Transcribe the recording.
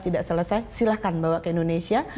tidak selesai silahkan bawa ke indonesia